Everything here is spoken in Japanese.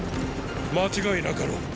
間違いなかろう。